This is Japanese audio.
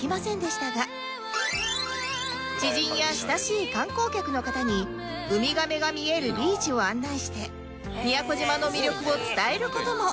知人や親しい観光客の方にウミガメが見えるビーチを案内して宮古島の魅力を伝える事も